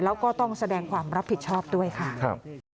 แล้วก็ต้องแสดงความรับผิดชอบด้วยค่ะ